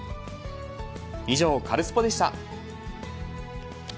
以上、カルスポっ！でした。